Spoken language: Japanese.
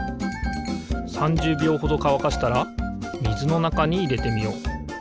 ３０びょうほどかわかしたらみずのなかにいれてみよう。